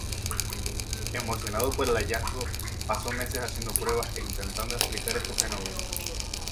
Emocionado por el hallazgo, pasó meses haciendo pruebas e intentando explicar este fenómeno.